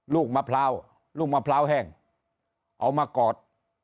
ลูกมะพร้าวลูกมะพร้าวแห้งเอามากอด